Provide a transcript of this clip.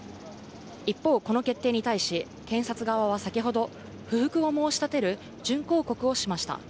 一方、この決定に対し検察側は先ほど、不服を申し立てる準抗告をしました。